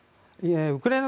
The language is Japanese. ウクライナ